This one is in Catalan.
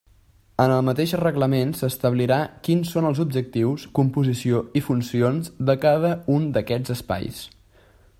En el mateix Reglament s'establirà quins són els objectius, composició i funcions de cada un d'aquests espais.